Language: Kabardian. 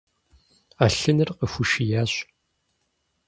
Ӏэлъыныр къыхуишиящ.